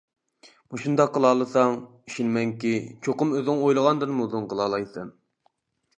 مۇشۇنداق قىلالىساڭ، ئىشىنىمەنكى، چوقۇم ئۆزۈڭ ئويلىغاندىنمۇ ئۇزۇن قىلالايسەن.